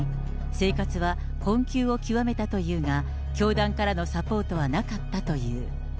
生活は困窮を極めたというが、教団からのサポートはなかったという。